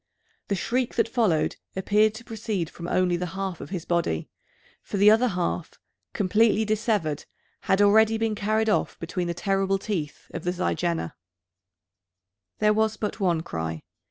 The shriek that followed appeared to proceed from only the half of his body; for the other half, completely dissevered, had been already carried off between the terrible teeth of the zygaena. There was but one cry.